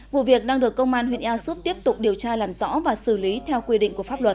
vụ việc đang được công an huyện ea súp tiếp tục điều tra làm rõ và xử lý theo quy định của pháp luật